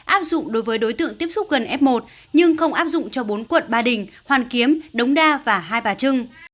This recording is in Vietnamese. áp dụng đối với đối tượng tiếp xúc gần f một nhưng không áp dụng cho bốn quận ba đình hoàn kiếm đống đa và hai bà trưng